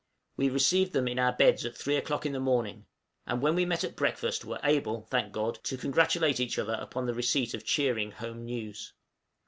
We received them in our beds at three o'clock in the morning; and when we met at breakfast were able, thank God! to congratulate each other upon the receipt of cheering home news.